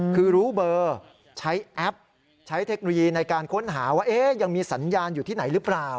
คือรู้เบอร์ใช้แอปใช้เทคโนโลยีในการค้นหาว่ายังมีสัญญาณอยู่ที่ไหนหรือเปล่า